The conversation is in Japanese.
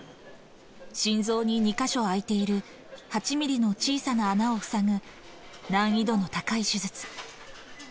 心臓に２か所開いている８ミリの小さな穴を塞ぐ難易度の高い手術。